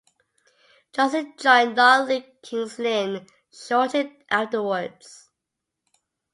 Johnson joined non-league King's Lynn shortly afterwards.